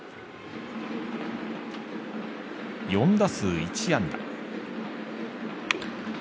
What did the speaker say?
４打数１安打。